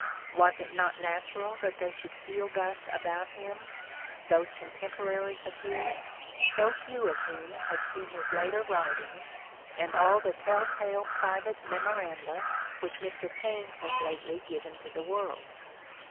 Was it not natural that they should feel thus about him, those contemporaries of his, so few of whom had seen his later writings and all the tell tale private mem oranda which Mr. Paine has lately given to the world?